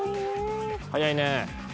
「早いね！」